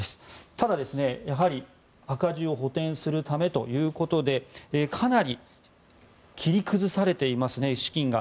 ただ、やはり、赤字を補てんするためということでかなり切り崩されていますね資金が。